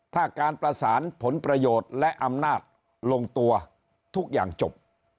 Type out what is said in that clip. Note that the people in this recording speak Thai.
ถ้าการประสานผลประโยชน์และอำนาจลงตัวทุกอย่างจบ